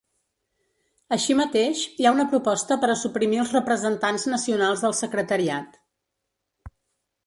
Així mateix, hi ha una proposta per a suprimir els representants nacionals del secretariat.